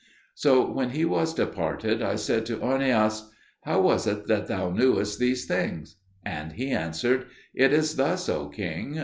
So when he was departed, I said to Ornias, "How was it that thou knewest these things?" And he answered, "It is thus, O king.